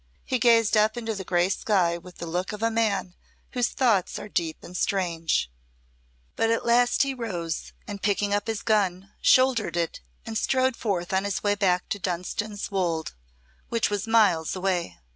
He gazed up into the grey sky with the look of a man whose thoughts are deep and strange. But at last he rose, and picking up his gun, shouldered it and strode forth on his way back to Dunstan's Wolde, which was miles away.